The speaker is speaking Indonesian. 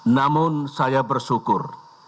namun saya bersyukur